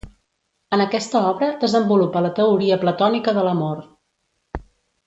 En aquesta obra desenvolupa la teoria platònica de l'amor.